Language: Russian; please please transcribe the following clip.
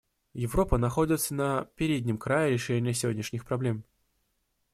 Европа находится на переднем крае решения сегодняшних проблем.